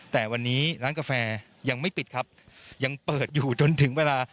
แต่วันนี้ร้านกาแฟยังไม่ปิดครับยังเปิดอยู่จนถึงเวลา